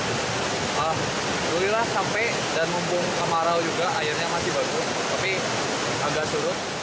alhamdulillah sampai dan mumpung kemarau juga airnya masih bagus tapi agak surut